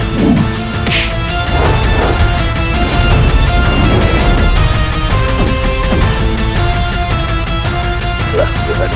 kau akan menang